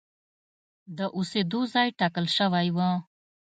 د اوسېدو ځای ټاکل شوی و.